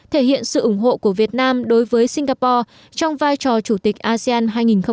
thể hiện sự ủng hộ của việt nam đối với singapore trong vai trò chủ tịch asean hai nghìn hai mươi